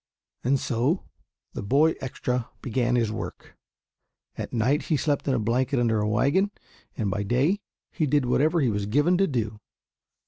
And so the "boy extra" began his work. At night he slept in a blanket under a wagon, and by day he did whatever he was given to do.